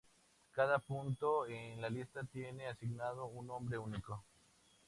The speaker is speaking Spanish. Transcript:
Cada punto en la lista tiene asignado un nombre único.